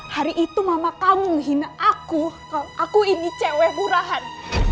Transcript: hari itu mama kamu menghina aku aku ini cewek burahan